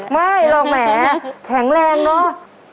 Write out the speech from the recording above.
ไม่หรอกแหมแข็งแรงเนอะ